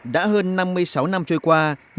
đã hơn năm mươi sáu năm trôi qua